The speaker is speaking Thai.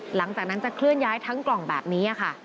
หลังจากนั้นจะเคลื่อนย้ายทั้งกล่องแบบนี้ค่ะ